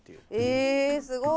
えすごい。